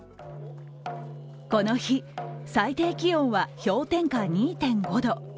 この日、最低気温は氷点下２．５度。